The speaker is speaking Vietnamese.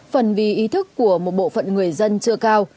phần vì ý thức của một bộ phận người dân chưa cao